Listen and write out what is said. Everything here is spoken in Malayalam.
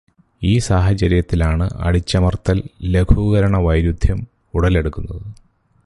ഈ സാഹചര്യത്തിലാണ് അടിച്ചമര്ത്തല് - ലഘൂകരണവൈരുദ്ധ്യം ഉടലെടുക്കുന്നത്.